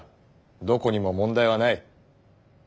どこにも問題はない。